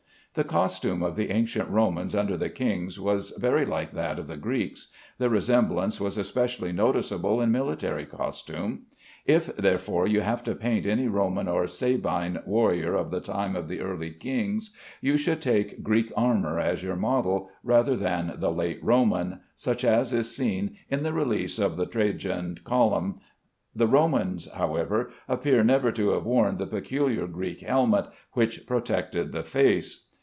The costume of the ancient Romans under the kings was very like that of the Greeks. The resemblance was especially noticeable in military costume. If, therefore, you have to paint any Roman or Sabine warriors of the time of the early kings, you should take Greek armor as your model, rather than the late Roman, such as is seen in the reliefs of the Trajan column. The Romans, however, appear never to have worn the peculiar Greek helmet which protected the face.